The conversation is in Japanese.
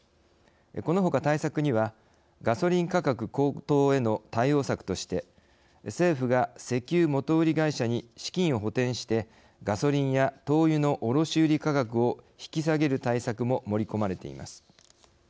このほか、対策にはガソリン価格高騰への対応策として政府が石油元売り会社に資金を補填してガソリンや灯油の卸売り価格を引き下げる対策も盛り込まれています。